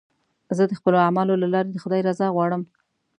زه د خپلو اعمالو له لارې د خدای رضا غواړم.